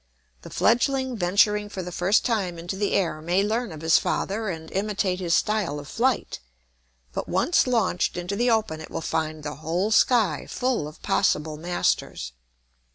The fledgling venturing for the first time into the air may learn of his father and imitate his style of flight; but once launched into the open it will find the whole sky full of possible masters.